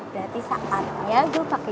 berarti saatnya gue pake